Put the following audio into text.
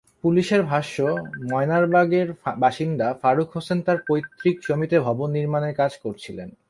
পুলিশের ভাষ্য, ময়নারবাগের বাসিন্দা ফারুক হোসেন তাঁর পৈতৃক জমিতে ভবন নির্মাণের কাজ করছিলেন।